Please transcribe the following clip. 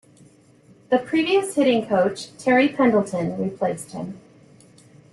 The previous hitting coach, Terry Pendleton, replaced him.